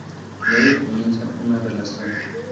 Luego comienzan una relación.